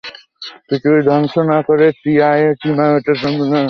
পৃথিবী ধ্বংস না করে তিয়ামুতের জন্মানোর নিশ্চয়ই কোনো পথ আছে।